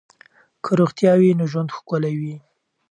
که روغتیا وي نو ژوند ښکلی وي.